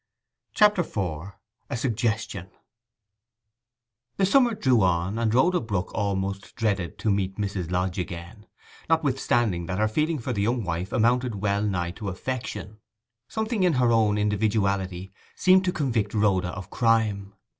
CHAPTER IV—A SUGGESTION The summer drew on, and Rhoda Brook almost dreaded to meet Mrs. Lodge again, notwithstanding that her feeling for the young wife amounted well nigh to affection. Something in her own individuality seemed to convict Rhoda of crime.